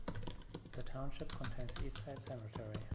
The township contains East Side Cemetery.